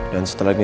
dan setelah ini